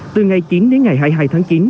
từ ngày chín đến ngày hai mươi hai tháng chín